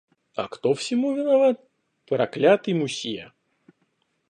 А кто всему виноват? проклятый мусье.